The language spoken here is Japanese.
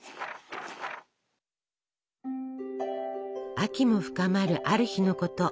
秋も深まるある日のこと。